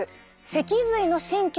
脊髄の神経。